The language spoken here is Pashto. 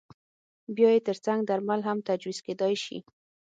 بیا یې ترڅنګ درمل هم تجویز کېدای شي.